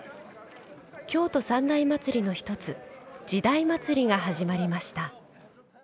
京都三大祭りの一つ「時代祭」が始まりました。